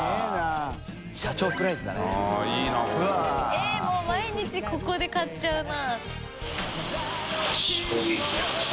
えぇもう毎日ここで買っちゃうな。